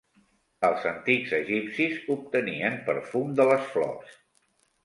Els antics egipcis obtenien perfum de les flors.